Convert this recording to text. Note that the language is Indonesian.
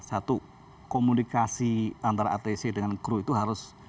satu komunikasi antara atc dengan kru itu harus